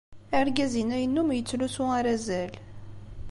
Argaz-inna yennum yettlusu arazal.